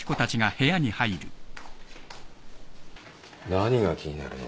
何が気になるの？